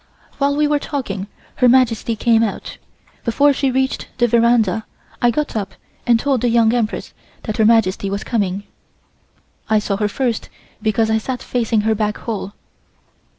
While we were talking Her Majesty came out. Before she reached the veranda I got up and told the Young Empress that Her Majesty was coming. I saw her first because I sat facing her back hall.